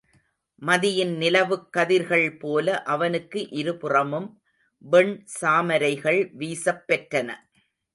மதியின் நிலவுக் கதிர்கள்போல அவனுக்கு இருபுறமும் வெண் சாமரைகள் வீசப்பெற்றன.